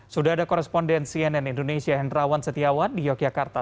sudah ada koresponden cnn indonesia hendrawan setiawan di yogyakarta